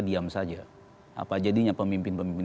diam saja apa jadinya pemimpin pemimpin